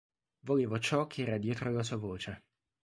Volevo ciò che era dietro alla sua voce.